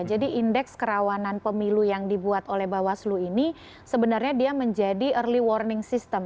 indeks kerawanan pemilu yang dibuat oleh bawaslu ini sebenarnya dia menjadi early warning system